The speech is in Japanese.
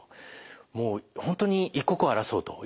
もう本当に一刻を争うということ。